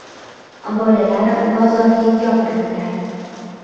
Bolalar bozorlik yopirildi.